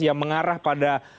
yang mengarah pada